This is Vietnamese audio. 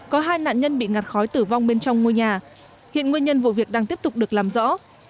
có hai nạn nhân bị ngặt khói tử vong bên trong ngôi nhà hiện nguyên nhân vụ việc đang tiếp tục được làm rõ